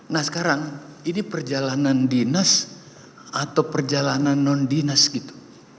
nah sekarang ini perjalanan dinas atau perjalanan non dinas gitu